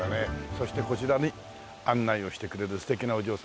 そしてこちらに案内をしてくれる素敵なお嬢様。